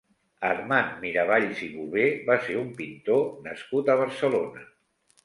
Armand Miravalls i Bové va ser un pintor nascut a Barcelona.